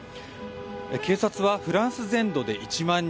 警察はフランス全土で１万人